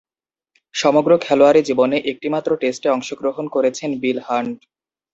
সমগ্র খেলোয়াড়ী জীবনে একটিমাত্র টেস্টে অংশগ্রহণ করেছেন বিল হান্ট।